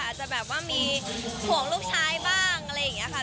อาจจะแบบว่ามีห่วงลูกชายบ้างอะไรอย่างนี้ค่ะ